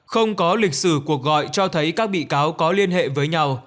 không có lịch sử cuộc gọi cho thấy các bị cáo có liên hệ với nhau